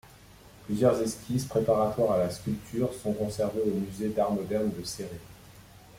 Plusieurs esquisses préparatoires à la sculpture sont conservées au musée d'art moderne de Céret.